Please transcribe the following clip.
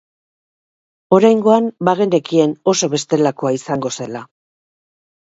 Oraingoan, bagenekien oso bestelakoa izango zela.